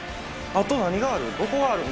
あと何がある？